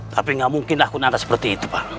tapi nggak mungkin aku nanti seperti itu pak